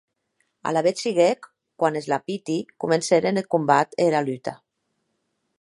Alavetz siguec quan es lapiti comencèren eth combat e era luta.